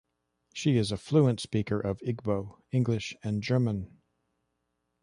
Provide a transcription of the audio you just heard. She is a fluent speaker of Igbo, English, and German.